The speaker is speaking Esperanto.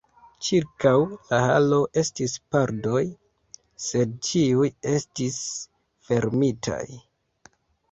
Ĉirkaŭ la halo estis pordoj; sed ĉiuj estis fermitaj.